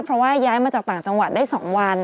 เพราะว่าย้ายมาจากต่างจังหวัดได้๒วัน